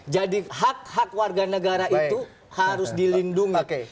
jadi hak hak warga negara itu harus dilindungi